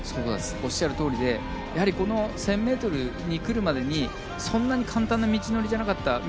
おっしゃるとおりでこの１０００ｍに来るまでにそんなに簡単な道のりじゃなかった。